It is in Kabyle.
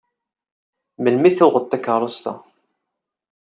Melmi i tuɣeḍ takeṛṛust-a?